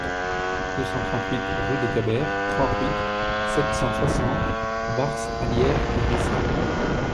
deux cent trente-huit rue des Gaberts, trente-huit, sept cent soixante, Varces-Allières-et-Risset